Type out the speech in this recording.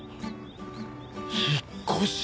引っ越し！